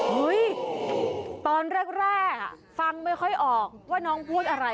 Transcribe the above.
ตอนแรกฟังไม่ค่อยออกว่าน้องพูดอะไร